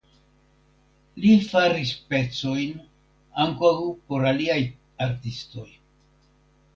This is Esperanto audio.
Li faris pecojn ankaŭ por aliaj artistoj.